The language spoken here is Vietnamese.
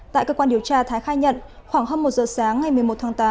tại cơ quan điều tra thái khai nhận khoảng hơn một giờ sáng ngày một mươi một tháng tám